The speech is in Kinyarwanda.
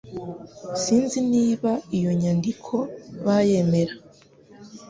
sinzi niba iyo nyandiko bayemera